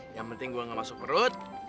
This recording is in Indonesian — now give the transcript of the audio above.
yang penting gue gak masuk perut